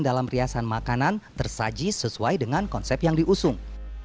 dalam riasan makanan tersaji sesuai dengan konsep yang diusung